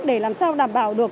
để làm sao đảm bảo được